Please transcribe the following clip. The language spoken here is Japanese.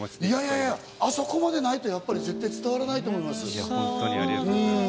いやいや、あそこまでないと絶対伝わらないと思います。